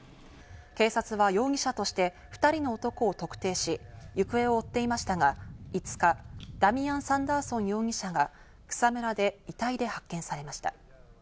警察は容疑者として２人の男を特定し、行方を追っていましたが、５日、ダミアン・サンダーソン容疑者が草むらで遺体で発見されました。